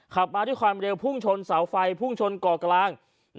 ขับมาด้วยความเร็วพุ่งชนเสาไฟพุ่งชนก่อกลาง